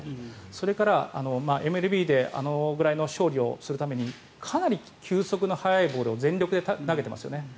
それから、ＭＬＢであのぐらいの勝利をするためにかなり球速の速いボールを全力で投げてますよね。